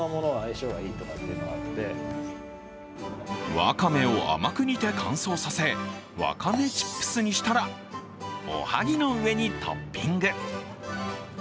わかめを甘く煮て乾燥させワカメチップスにしたらおはぎの上にトッピング。